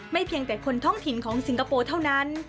เพียงแต่คนท้องถิ่นของสิงคโปร์เท่านั้น